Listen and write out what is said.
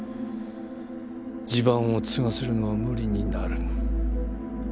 地盤を継がせるのは無理になる。